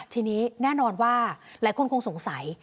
ทีนี้แน่นอนว่าหลายคนคงสงสัย